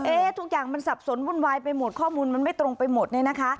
ทุกอย่างมันสับสนวุ่นวายไปหมดข้อมูลมันไม่ตรงไปหมดเนี่ยนะคะ